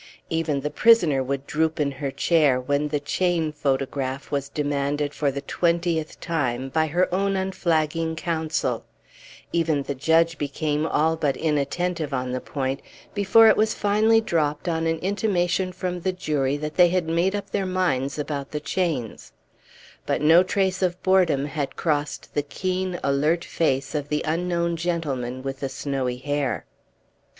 Even the prisoner would droop in her chair when the "chain photograph" was demanded for the twentieth time by her own unflagging counsel; even the judge became all but inattentive on the point, before it was finally dropped on an intimation from the jury that they had made up their minds about the chains; but no trace of boredom had crossed the keen, alert face of the unknown gentleman with the snowy hair.